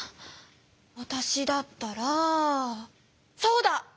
わたしだったらそうだ！